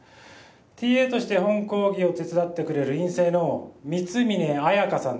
ＴＡとして本講義を手伝ってくれる院生の光峯綾香さんです